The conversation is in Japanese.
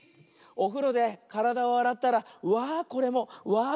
おふろでからだをあらったらわあこれもわあ